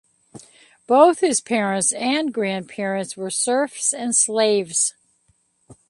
Both his parents and grandparents were serfs and slaves.